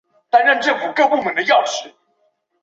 罗斯正式成为主权国家。